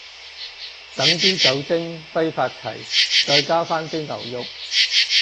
等啲酒精揮發齊，再加返啲牛肉